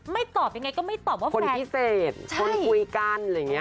ตอบยังไงก็ไม่ตอบว่าแฟนพิเศษคนคุยกันอะไรอย่างนี้